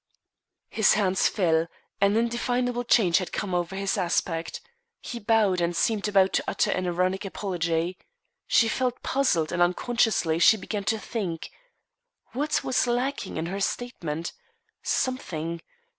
His hands fell; an indefinable change had come over his aspect; he bowed and seemed about to utter an ironic apology. She felt puzzled and unconsciously she began to think. What was lacking in her statement? Something.